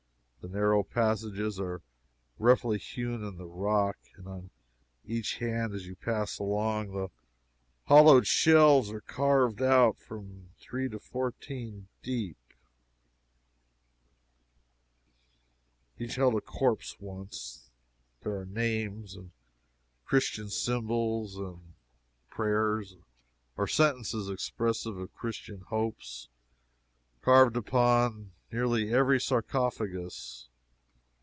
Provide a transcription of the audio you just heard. The narrow passages are roughly hewn in the rock, and on each hand as you pass along, the hollowed shelves are carved out, from three to fourteen deep; each held a corpse once. There are names, and Christian symbols, and prayers, or sentences expressive of Christian hopes, carved upon nearly every sarcophagus.